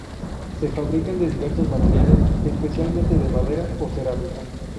Se fabrican de diversos materiales, especialmente de madera o cerámica.